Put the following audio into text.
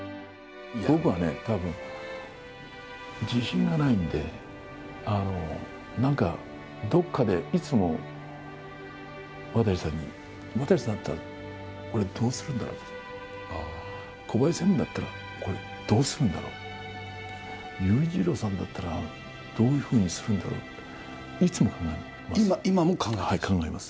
僕はね、たぶん、自信がないんで、なんか、どこかでいつも、渡さんに、渡さんだったらこれ、どうするんだろう、小林専務だったらこれ、どうするだろう、裕次郎さんだったらどういうふうにするんだろうって、いつも考えます。